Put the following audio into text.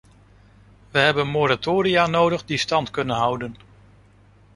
We hebben moratoria nodig die stand kunnen houden.